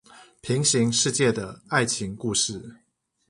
平行世界的愛情故事